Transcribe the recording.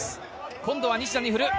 今度は西田に振る。